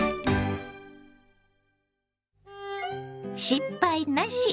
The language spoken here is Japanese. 「失敗なし！